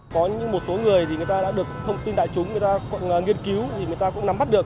có những một số người thì người ta đã được thông tin đại chúng người ta còn nghiên cứu người ta cũng nắm bắt được